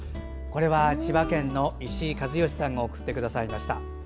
これは千葉県の石井一良さんが送ってくださいました。